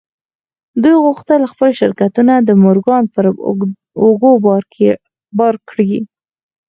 دوی غوښتل خپل شرکتونه د مورګان پر اوږو بار کړي.